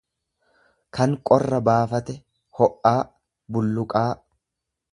kan qorra baafate, o'aa, bulluqaa.